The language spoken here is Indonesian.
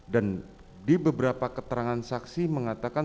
dan di beberapa keterangan saksi mengatakan